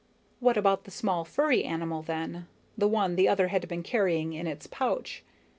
What about the small, furry, animal then; the one the other had been carrying in its pouch?